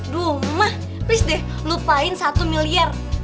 duh mah deh lupain satu miliar